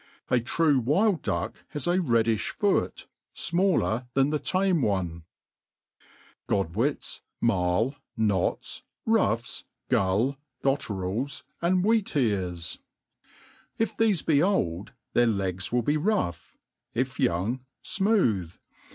A true wild duck has a reddifli foot, fmaljer than the tame one, , GoodwettSj Marie, Knots, Ruffs, Gull, Dotterels, and Wheats Ears* If tbefe be old, their legs will be rough } if young, fmooth.